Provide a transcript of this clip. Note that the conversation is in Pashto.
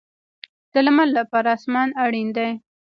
د لمر لپاره اسمان اړین دی